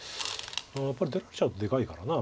やっぱり出られちゃうとでかいからな。